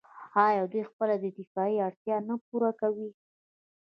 آیا دوی خپله دفاعي اړتیا نه پوره کوي؟